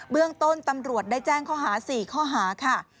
เรื่องต้นตำรวจได้แจ้งข้อหา๔ข้อหาค่ะ